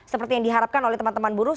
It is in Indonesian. seperti yang diharapkan oleh teman teman buruh